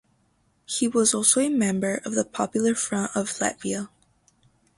He was also a member of the Popular Front of Latvia.